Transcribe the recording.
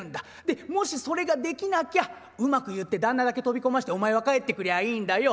でもしそれができなきゃうまく言って旦那だけ飛び込ませてお前は帰ってくりゃあいいんだよ」。